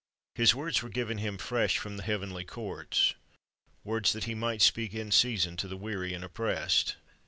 His words were given Him fresh from the heavenly courts, words that He might speak in season to the weary and oppressed.